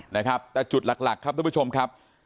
นะครับแต่จุดหลักครับท่านผู้ชมครับ